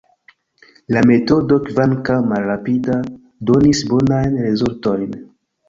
La metodo, kvankam malrapida, donis bonajn rezultojn.